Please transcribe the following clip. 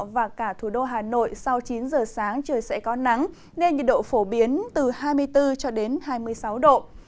và cả thủ đô hà nội sau chín giờ sáng trời sẽ có nắng nên nhiệt độ phổ biến từ hai mươi bốn cho đến hai mươi sáu độ